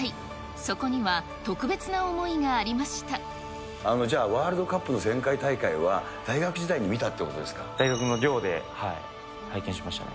そこには、特別な思いがありましじゃあワールドカップの前回大会は、大学の寮で拝見しましたね。